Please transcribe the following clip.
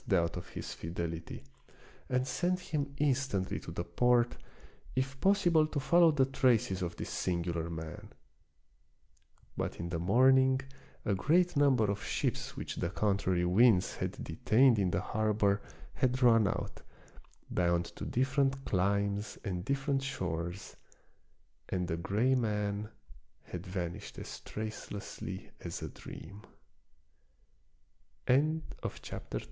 25 doubt of his fidelity, and sent him instantly to the port, if possible to follow the traces of this singular man. But in the morning a great num ber of ships which the contrary winds had detained in the harbor had run out, bound to different climes and different shores, and the gray man had vanished as tr